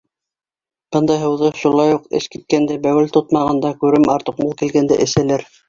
Бындай һыуҙы шулай уҡ эс киткәндә, бәүел тотмағанда, күрем артыҡ мул килгәндә эсәләр.